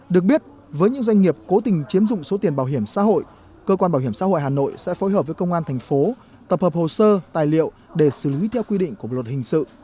được biết với những doanh nghiệp cố tình chiếm dụng số tiền bảo hiểm xã hội cơ quan bảo hiểm xã hội hà nội sẽ phối hợp với công an thành phố tập hợp hồ sơ tài liệu để xử lý theo quy định của bộ luật hình sự